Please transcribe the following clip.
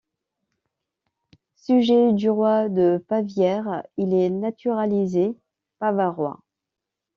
Sujet du roi de Bavière, il est naturalisé Bavarois.